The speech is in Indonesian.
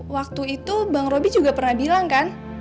waktu itu bang roby juga pernah bilang kan